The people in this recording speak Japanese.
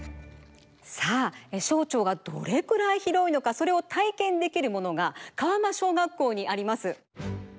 さあ小腸がどれくらいひろいのかそれをたいけんできるものが川間小学校にあります！